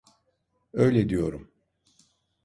Öyle diyorum.